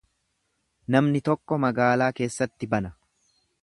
Namni tokko magaalaa keessatti bana.